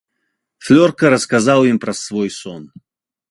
Флёрка расказаў ім пра свой сон.